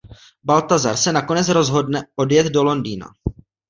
Baltazar se nakonec rozhodne odjet do Londýna.